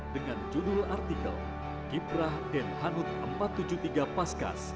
dengan judul artikel kiprah den hanut empat ratus tujuh puluh tiga paskas